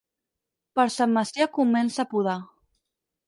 Per Sant Macià comença a podar.